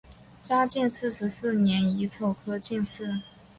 嘉靖四十四年乙丑科进士。